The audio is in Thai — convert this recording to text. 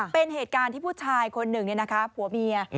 เป็นเหตุการณ์ที่ผู้ชายคนหนึ่งผัวเมีย